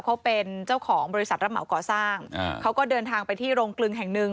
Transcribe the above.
เขาเป็นเจ้าของบริษัทรับเหมาก่อสร้างอ่าเขาก็เดินทางไปที่โรงกลึงแห่งหนึ่ง